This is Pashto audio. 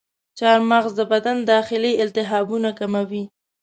چارمغز د بدن داخلي التهابونه کموي.